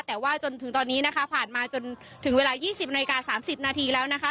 แต่ว่าจนถึงตอนนี้นะคะผ่านมาจนถึงเวลา๒๐นาฬิกา๓๐นาทีแล้วนะคะ